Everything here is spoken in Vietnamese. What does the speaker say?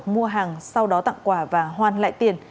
mua hàng sau đó tặng quà và hoan lại tiền